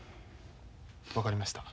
分かりました。